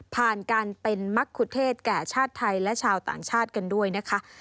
ผ่านการเป็นมักขุเทศแก่ชาติไทยและชาวต่างชาติกันด้วยนะคะ